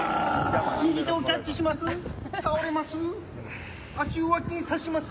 右手をキャッチします。